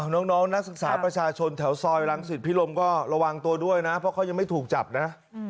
น้องนักศึกษาประชาชนแถวซอยรังสิตพิรมก็ระวังตัวด้วยนะเพราะเขายังไม่ถูกจับนะ